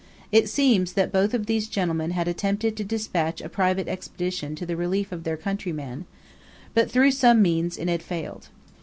It seems that both of these gentlemen had attempted to despatch a private expedition to the relief of their countryman, but through some means it had failed.